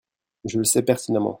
je le sais pertinemment.